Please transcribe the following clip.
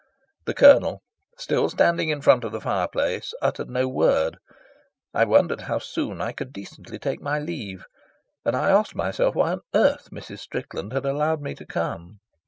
The Colonel, still standing in front of the fireplace, uttered no word. I wondered how soon I could decently take my leave, and I asked myself why on earth Mrs. Strickland had allowed me to come.